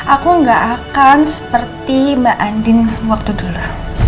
aku nggak akan seperti mbak andin waktu dulu